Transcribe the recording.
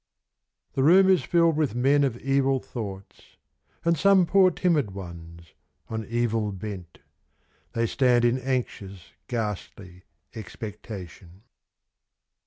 The room is filled with men of evil thoughts, And some poor timid ones, on evil bent. . stand m anxious, ghastly expectation.